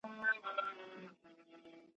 هغوی د کتابونو جعلي نسخې جوړې کړې وې.